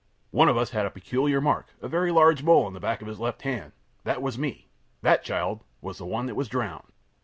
One of us had a peculiar mark a large mole on the back of his left hand; that was me. That child was the one that was drowned!